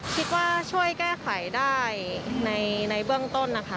คิดว่าช่วยแก้ไขได้ในเบื้องต้นนะคะ